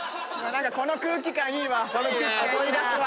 この空気感いいわ。思い出すわ。